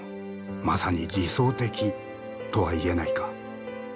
まさに理想的とは言えないか。